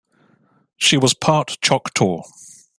She was part Choctaw.